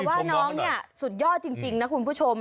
แต่ว่าน้องสุดยอดจริงนะคุณผู้ชม